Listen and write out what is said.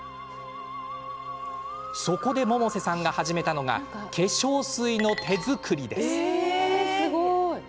そこで、百瀬さんが始めたのが化粧水の手作りです。